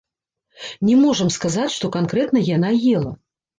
Не можам сказаць, што канкрэтна яна ела.